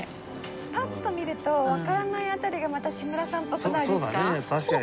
パッと見るとわからないあたりがまた志村さんっぽくないですか？